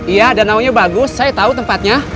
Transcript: iya danau nya bagus saya tau tempatnya